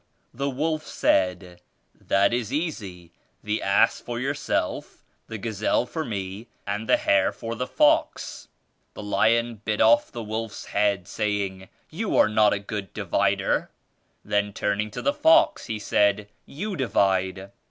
The wolf said, 'That is easy; the ass for yourself, the gazelle for me and the hare for the fox.' The lion bit off the wolf's head, saying 'You are not a good divider.' Then turning to the fox, he said, 'You divide!'